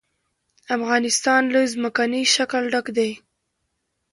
افغانستان له ځمکنی شکل ډک دی.